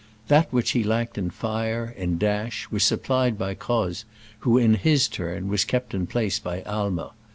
That which he lacked in fire, in dash, was supplied by Croz, who, in his turn, was kept in place by Aimer.